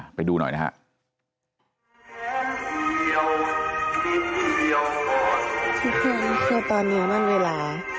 เฮ้สู่สวรรค์ไปเลย